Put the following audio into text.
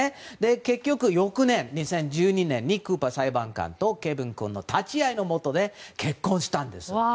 結局、翌年の２０１２年にクーパー裁判官とケビン君の立ち会いのもとで結婚したんです。